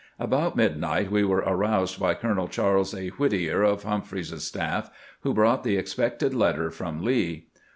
About midnight we were aroused by Colonel Charles A. Whittier of Humphreys's staff, who brought the expected letter from Lee.